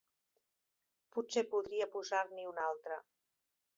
Potser podria posar-n'hi una altra